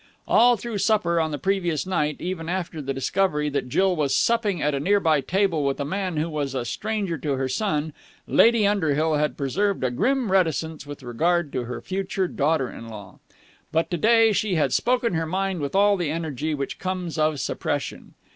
All through supper on the previous night, even after the discovery that Jill was supping at a near by table with a man who was a stranger to her son, Lady Underhill had preserved a grim reticence with regard to her future daughter in law. But to day she had spoken her mind with all the energy which comes of suppression.